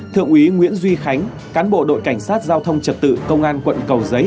thượng úy nguyễn duy khánh cán bộ đội cảnh sát giao thông trật tự công an quận cầu giấy